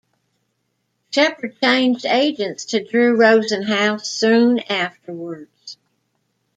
Sheppard changed agents to Drew Rosenhaus soon afterwards.